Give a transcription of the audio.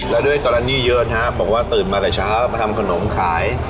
แล้วด้วยกรณีเยอะนะครับบอกว่าตื่นมาแต่เช้ามาทำขนมขาย